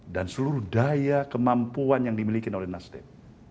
dan seluruh daya kemampuan yang dimiliki oleh nasdem